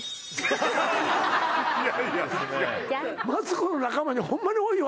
いやいやマツコの仲間にほんまに多いよ